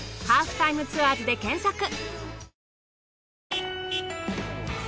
『ハーフタイムツアーズ』で検索！